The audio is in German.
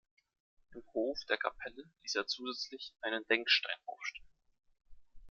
Im Hof der Kapelle ließ er zusätzlich einen Denkstein aufstellen.